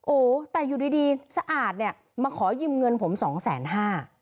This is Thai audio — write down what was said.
โอ้แต่อยู่ดีดีสะอาดเนี่ยมาขอยืมเงินผมสองแสนห้า